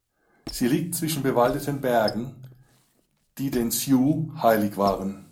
Sie liegt zwischen bewaldeten Bergen, die den Sioux heilig waren.